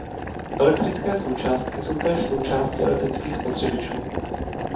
Elektrické součástky jsou též součásti elektrických spotřebičů.